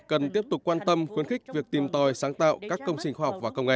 cần tiếp tục quan tâm khuyến khích việc tìm tòi sáng tạo các công trình khoa học và công nghệ